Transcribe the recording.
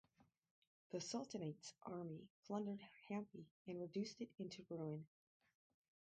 The Sultanates' army plundered Hampi and reduced it into ruin.